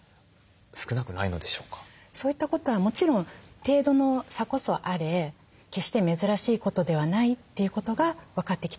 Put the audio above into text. そういったことはもちろん程度の差こそあれ決して珍しいことではないということが分かってきたんです。